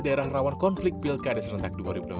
daerah rawan konflik pilkada serentak dua ribu delapan belas